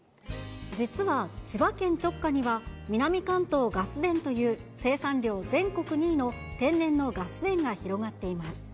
実は千葉県直下には、南関東ガス田という生産量全国２位の、天然のガス田が広がっています。